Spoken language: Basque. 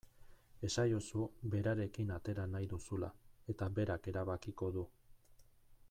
Esaiozu berarekin atera nahi duzula eta berak erabakiko du.